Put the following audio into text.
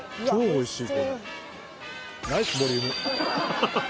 おいしい。